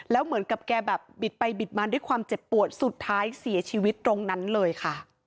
แล้วเหมือนกับแกแบบบิดไปบิดมาด้วยความเจ็บปวดสุดท้ายเสียชีวิตตรงนั้นเลยค่ะ